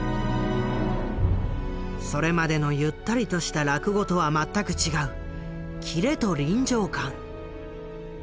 それまでのゆったりとした落語とは全く違うキレと臨場感。